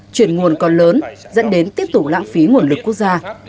chuyển nguồn còn lớn dẫn đến tiếp tục lãng phí nguồn lực quốc gia